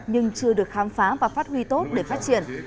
nhưng chưa được khám phá và phát huy tốt để phát triển